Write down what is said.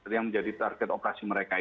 yang menjadi target operasi mereka